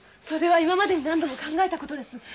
それは今までに何度も考えた事です。